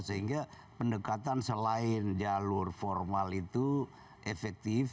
sehingga pendekatan selain jalur formal itu efektif